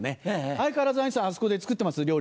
相変わらず兄さんあそこで作ってます？料理。